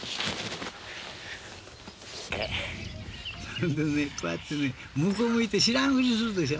それでね、こうやって向こう向いて知らん振りするんでしょ。